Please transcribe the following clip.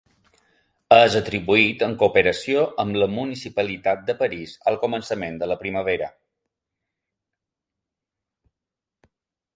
És atribuït en cooperació amb la municipalitat de París al començament de la primavera.